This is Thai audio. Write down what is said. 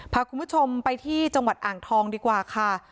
พาคุณผู้ชมไปที่จังหวัดอ่างทองดีกว่าค่ะ